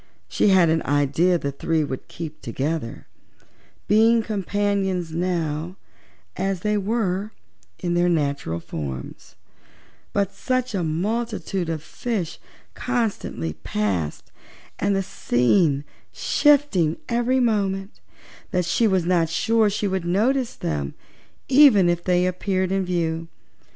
She had an idea the three would keep together, being companions now as they were in their natural forms, but such a multitude of fishes constantly passed, the scene shifting every moment, that she was not sure she would notice them even if they appeared in view.